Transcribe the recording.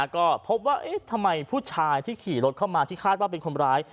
ก็พบว่าทำไมผู้ชายที่ขี่รถเข้ามาที่คาดว่าเป็นคนร้าย